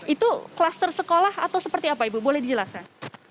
itu kluster sekolah atau seperti apa ibu boleh dijelaskan